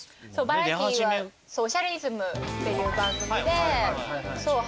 バラエティーは『おしゃれイズム』っていう番組で初めて何か。